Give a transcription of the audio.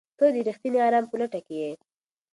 ته د رښتیني ارام په لټه کې یې؟